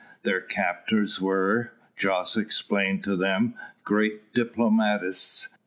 Their captors were, Jos explained to them, great diplomatists.